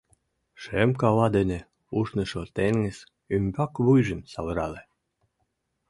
Шем кава дене ушнышо теҥыз ӱмбак вуйжым савырале.